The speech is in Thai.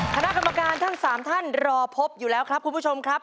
คณะกรรมการทั้ง๓ท่านรอพบอยู่แล้วครับคุณผู้ชมครับ